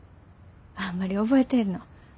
あんまり覚えてへんの。